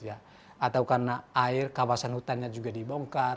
atau karena air kawasan hutannya juga dibongkar